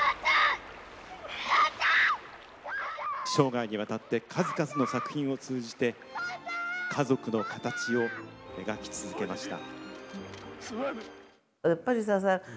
生涯にわたって数々の作品を通じて家族の形を描き続けました。